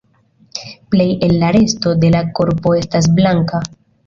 Plej el la resto de la korpo estas blanka.